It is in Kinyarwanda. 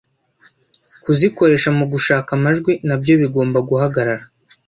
kuzikoresha mu gushaka amajwi nabyo bigomba guhagarara